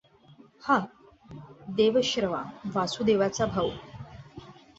हा देवश्रवा वासुदेवाचा भाऊ.